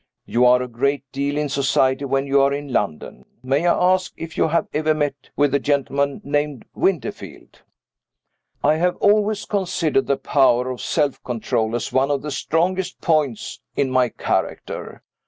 You are a great deal in society when you are in London. May I ask if you have ever met with a gentleman named Winterfield?" I have always considered the power of self control as one of the strongest points in my character.